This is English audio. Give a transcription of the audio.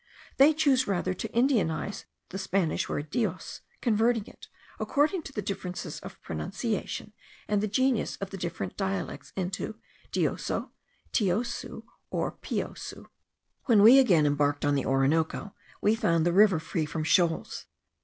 They choose rather to Indianize the Spanish word Dios, converting it, according to the differences of pronunciation, and the genius of the different dialects, into Dioso, Tiosu, or Piosu. When we again embarked on the Orinoco, we found the river free from shoals.